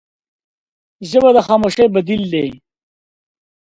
ژبه د خاموشۍ بدیل ده